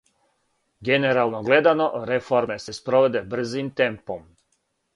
Генерално гледано, реформе се спроводе брзим темпом.